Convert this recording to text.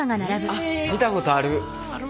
あっ見たことある。